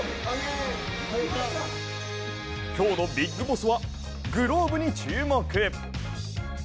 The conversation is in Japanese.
今日のビッグボスは、グローブに注目。